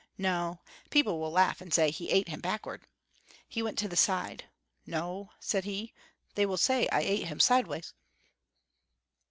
No. People will laugh, and say 'He ate him backward.'" He went to the side. "No," said he, "they will say I ate him sideways."